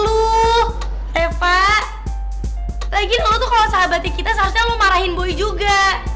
udah biarin aja